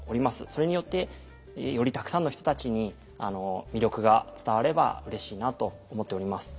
それによってよりたくさんの人たちに魅力が伝わればうれしいなと思っております。